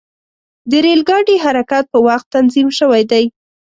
د ریل ګاډي حرکت په وخت تنظیم شوی دی.